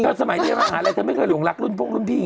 ก็สมัยเท่าไหร่ก็ไม่เคยหลงรักรุ่นพงรุ่นพี่